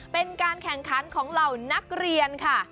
เป็นการแข่งขันของเหล่านักเรียนค่ะ